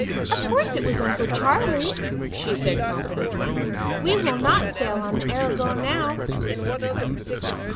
"'Of course it was Uncle Charley,' she said confidently. 'We will not sail on the Aragon now.'